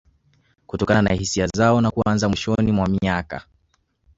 Kutokana na hisia zao na kuanzia mwishoni mwa miaka